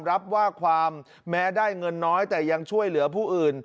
รับว่าความแม้ได้เงินน้อยแต่ยังช่วยเหลือผู้อื่น